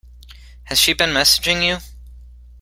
Has she been messaging you?